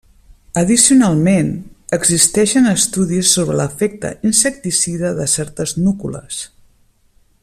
Addicionalment, existeixen estudis sobre l'efecte insecticida de certes núcules.